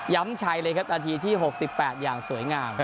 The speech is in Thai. ชัยเลยครับนาทีที่๖๘อย่างสวยงาม